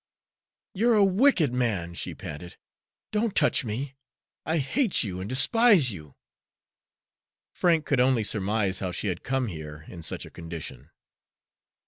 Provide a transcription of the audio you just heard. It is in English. "You're a wicked man," she panted. "Don't touch me! I hate you and despise you!" Frank could only surmise how she had come here, in such a condition.